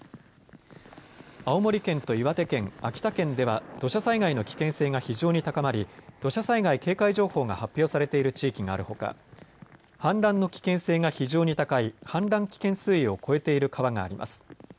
青森県と岩手県、秋田県では土砂災害の危険性が非常に高まり土砂災害警戒情報が発表されている地域があるほか、氾濫の危険性が非常に高い氾濫危険水位を超えている川があります。